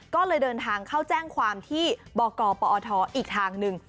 ก็เลยเดินทางเข้าแจ้งความที่บกปอทอีกทางหนึ่ง